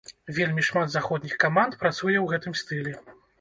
Вельмі шмат заходніх каманд працуе ў гэтым стылі.